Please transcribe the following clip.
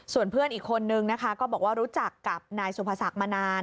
ส่วนเพื่อนอีกคนนึงนะคะก็บอกว่ารู้จักกับนายสุภศักดิ์มานาน